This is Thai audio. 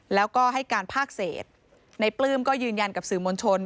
แล้วก็ให้การภาคเศษในปลื้มก็ยืนยันกับสื่อมวลชน